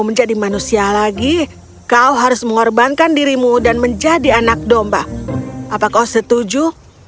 menjadi manusia lagi kau harus mengorbankan dirimu dan menjadi anak domba apa kau setuju